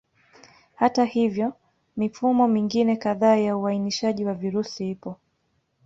Hata hivyo, mifumo mingine kadhaa ya uainishaji wa virusi ipo.